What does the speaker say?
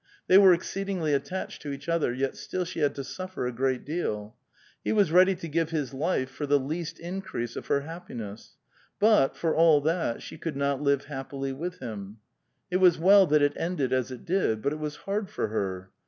They were exceedingly attached to each other; yet, still she had to suffer a great deal. Ho was ready to give his life for the least increase of her happi ness, but, for all that, she could not live happily with him. It was well that it ended as it did, but it was hard for her.